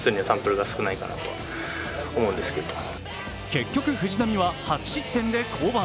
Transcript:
結局、藤浪は８失点で降板。